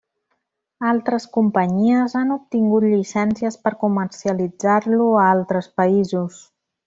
Altres companyies han obtingut llicències per comercialitzar-lo a altres països.